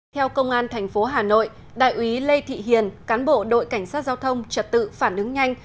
theo công an tp hà nội đại ủy lê thị hiền cán bộ đội cảnh sát giao thông trật tự phản ứng nhanh